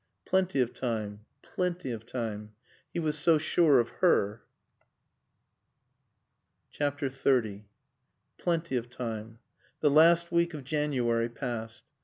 Plenty of time. Plenty of time. He was so sure of her. XXX Plenty of time. The last week of January passed.